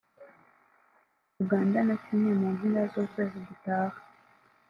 Uganda na Kenya mu mpera z’ukwezi gutaha